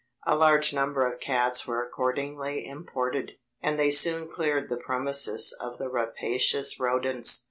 A large number of cats were accordingly imported, and they soon cleared the premises of the rapacious rodents.